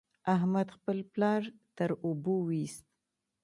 احمد خپل پلار تر اوبو وېست.